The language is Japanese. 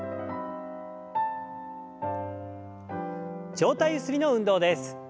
上体ゆすりの運動です。